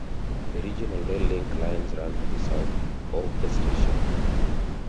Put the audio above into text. The Regional Rail Link lines run to the south of the station.